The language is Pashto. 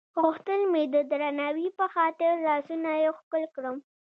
غوښتل مې د درناوي په خاطر لاسونه یې ښکل کړم.